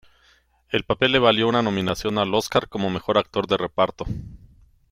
El papel le valió una nominación al Óscar como mejor actor de reparto.